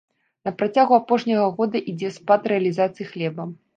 На працягу апошняга года ідзе спад рэалізацыі хлеба.